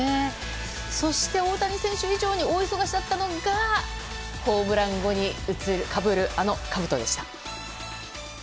そして大谷選手以上に大忙しだったのがホームラン後にかぶるあのかぶとでした。